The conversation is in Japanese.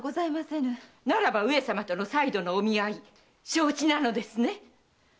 ならば上様との再度のお見合い承知なのですね？